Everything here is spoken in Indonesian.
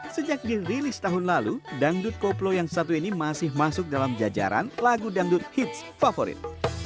sejak dirilis tahun lalu dangdut koplo yang satu ini masih masuk dalam jajaran lagu dangdut hits favorit